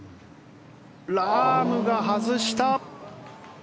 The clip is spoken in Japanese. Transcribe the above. ラームが外した！